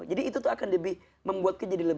jadi itu akan membuatkan